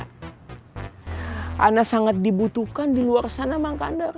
saya sangat dibutuhkan di luar sana mak kandar